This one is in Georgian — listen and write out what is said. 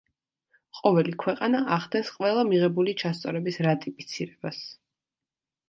ყოველი ქვეყანა ახდენს ყველა მიღებული ჩასწორების რატიფიცირებას.